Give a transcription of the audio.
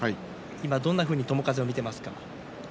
どういうふうに友風を見ていますか？